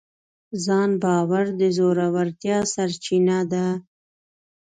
ځان باور د زړورتیا سرچینه ده.